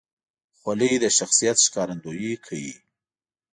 خولۍ د شخصیت ښکارندویي کوي.